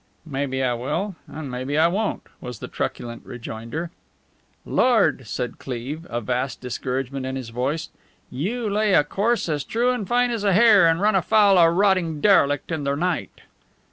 "Maybe I will and maybe I won't," was the truculent rejoinder. "Lord!" said Cleve, a vast discouragement in his tone. "You lay a course as true and fine as a hair, and run afoul a rotting derelict in the night!"